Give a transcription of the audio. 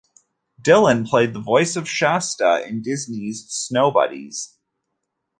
Dylan played the voice of Shasta in Disney's "Snow Buddies".